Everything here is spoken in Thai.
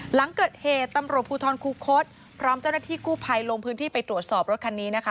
หลังเกิดเหตุตำรวจภูทรคูคศพร้อมเจ้าหน้าที่กู้ภัยลงพื้นที่ไปตรวจสอบรถคันนี้นะคะ